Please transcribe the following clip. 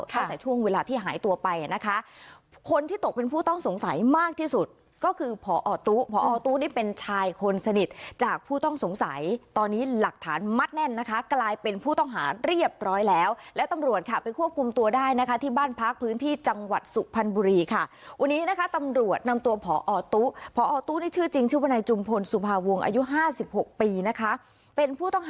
ตั้งแต่ช่วงเวลาที่หายตัวไปนะคะคนที่ตกเป็นผู้ต้องสงสัยมากที่สุดก็คือพอตู้พอตู้นี่เป็นชายคนสนิทจากผู้ต้องสงสัยตอนนี้หลักฐานมัดแน่นนะคะกลายเป็นผู้ต้องหาเรียบร้อยแล้วแล้วตำรวจค่ะไปควบคุมตัวได้นะคะที่บ้านพักพื้นที่จังหวัดสุขพรรณบุรีค่ะวันนี้นะคะตำรวจนำตัวพอตู้พอต